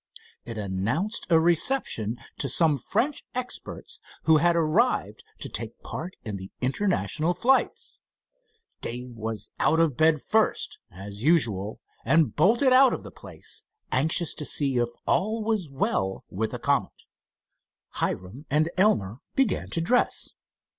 It announced a reception to some French experts who had arrived to take part in the international flights. Dave was out of bed first, as usual, and bolted out of the place, anxious to see if all was well with the Comet. Hiram and Elmer began to dress.